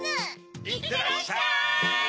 いってらっしゃい！